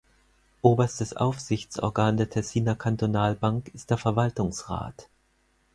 Oberstes Aufsichtsorgan der Tessiner Kantonalbank ist der Verwaltungsrat.